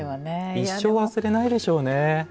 一生忘れないでしょうね。